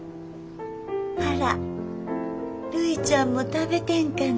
あらるいちゃんも食べてんかな。